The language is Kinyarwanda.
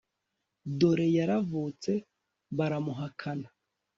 dore yaravutse baramuhakana